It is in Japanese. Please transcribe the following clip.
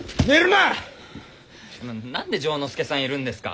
な何で丈之助さんいるんですか？